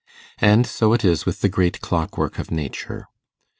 And so it is with the great clockwork of nature.